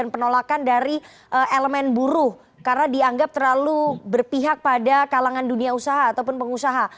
dan penolakan dari elemen buruh karena dianggap terlalu berpihak pada kalangan dunia usaha ataupun pengusaha